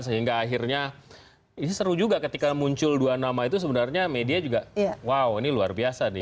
sehingga akhirnya ini seru juga ketika muncul dua nama itu sebenarnya media juga wow ini luar biasa nih